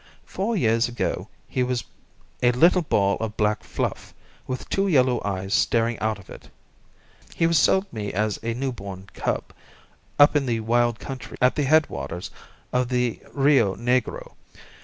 Four years ago he was a little ball of black fluff, with two yellow eyes staring out of it. He was sold me as a new born cub up in the wild country at the head waters of the Rio Negro.